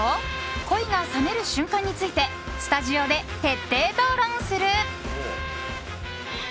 恋が冷める瞬間についてスタジオで徹底討論する！